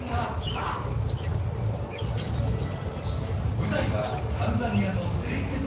舞台はタンザニアのセレンゲティ国立公園。